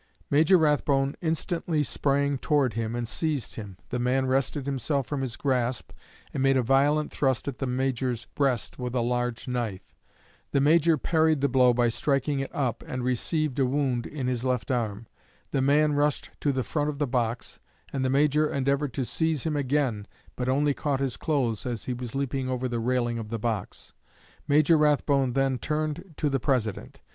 Major Rathbone instantly sprang toward him and seized him; the man wrested himself from his grasp, and made a violent thrust at the Major's breast with a large knife. The Major parried the blow by striking it up, and received a wound in his left arm. The man rushed to the front of the box, and the Major endeavored to seize him again, but only caught his clothes as he was leaping over the railing of the box. Major Rathbone then turned to the President.